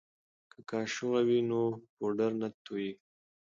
که قاشغه وي نو پوډر نه توییږي.